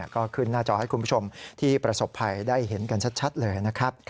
ก็ขึ้นหน้าจอให้คุณผู้ชมที่ประสบภัยได้เห็นกันชัดเลยนะครับ